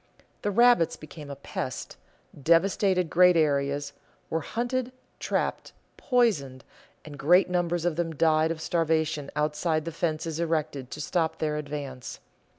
The rabbits became a pest, devastated great areas, were hunted, trapped, poisoned, and great numbers of them died of starvation outside the fences erected to stop their advance.